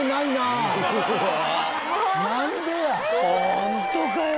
ホントかよ？